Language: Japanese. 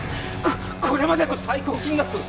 ここれまでの最高金額！